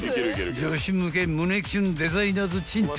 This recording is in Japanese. ［女子向け胸キュンデザイナーズ賃貸］